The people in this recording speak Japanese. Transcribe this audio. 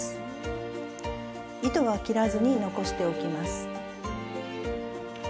糸は切らずに残しておきます。